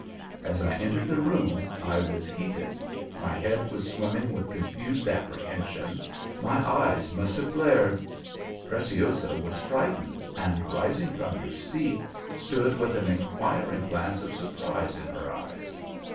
As I entered the room I was heated, my head was swimming with confused apprehension, my eyes must have glared. Preciosa was frightened, and rising from her seat, stood with an inquiring glance of surprise in her eyes.